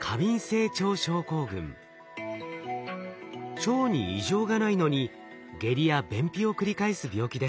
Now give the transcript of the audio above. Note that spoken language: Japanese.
腸に異常がないのに下痢や便秘を繰り返す病気です。